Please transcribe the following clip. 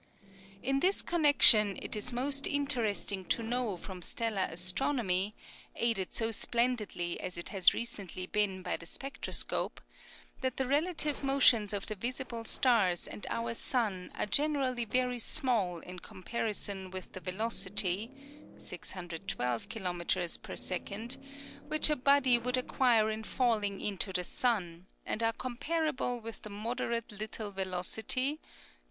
In this connection it is most interesting to know from stellar astronomy, aided so splendidly as it has recently been by the spectroscope, that the relative motions of the visible stars and our sun are generally very small in comparison with the velocity (612 kilometres per second) which a body would acquire in falling into the sun, and are comparable with the moderate little velocity (29.